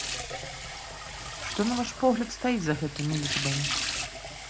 Што, на ваш погляд, стаіць за гэтымі лічбамі?